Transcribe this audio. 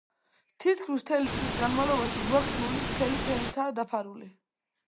თითქმის მთელი წლის განმავლობაში, ზღვა ყინულის სქელი ფენითაა დაფარული.